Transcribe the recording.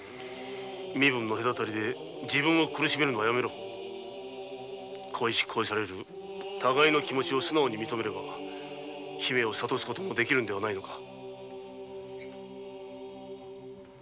身分の隔たりで自分を苦しめるのはやめろ恋し恋される互いの気持ちを素直に認めれば姫を諭すこともできるのではないのか？